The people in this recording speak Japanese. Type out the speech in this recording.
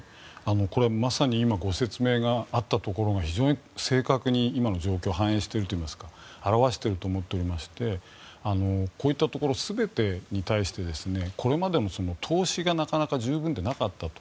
これ、まさに今ご説明があったところが非常に正確に今の状況を反映しているといいますか表していると思っていましてこういったところ全てに対してこれまでも投資がなかなか十分でなかったと。